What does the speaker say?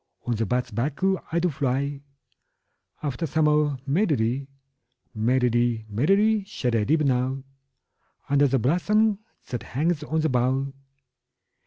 On the bat's back I do fly After summer merrily: 5 Merrily, merrily, shall I live now, Under the blossom that hangs on the bough.